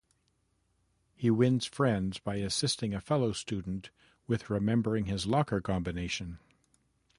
He wins friends by assisting a fellow student with remembering his locker combination.